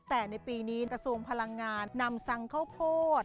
แต่ในปีนี้กระทรวงพลังงานนำสั่งข้าวโพด